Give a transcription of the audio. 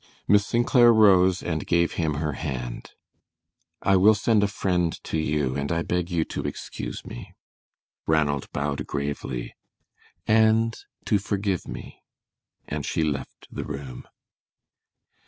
Miss St. Clair rose and gave him her hand. "I will send a friend to you, and I beg you to excuse me," Ranald bowed gravely, "and to forgive me," and she left the room.